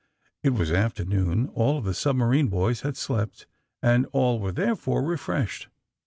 '' It was afternoon. All of the sub marine boys had slept, and all were therefore refreshed.